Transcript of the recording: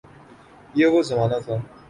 یہ وہ زمانہ تھا۔